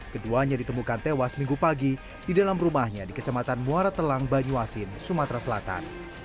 keduanya ditemukan tewas minggu pagi di dalam rumahnya di kecamatan muara telang banyuasin sumatera selatan